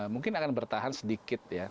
mungkin akan bertahan sedikit ya